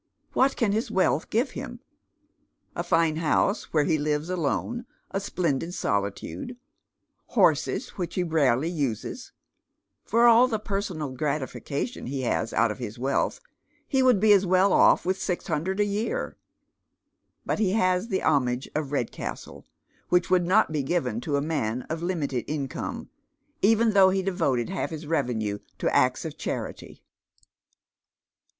What can his wealth give him ? A fine house, where he lives alone, a splendid solitude. Horses whicli he rarely uses. For all the peisonal gratification he has out of Ills wealth he would be as well off with six hundred a year. But he has the homage of Kedcastle, which would not be given to a man of limited income, even though he devoted half his revenue to acts of charity."